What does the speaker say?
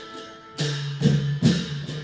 สวัสดีครับ